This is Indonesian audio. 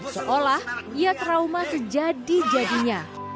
seolah ia trauma sejadi jadinya